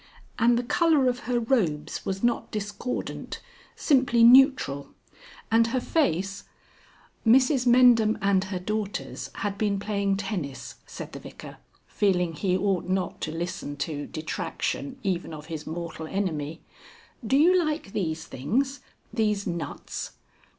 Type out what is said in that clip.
And the colour of her robes was not discordant simply neutral. And her face " "Mrs Mendham and her daughters had been playing tennis," said the Vicar, feeling he ought not to listen to detraction even of his mortal enemy. "Do you like these things these nuts?"